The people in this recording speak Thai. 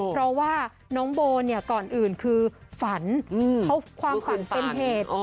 เพราะว่าน้องโบเนี่ยก่อนอื่นคือฝันเขาความฝันเป็นเหตุ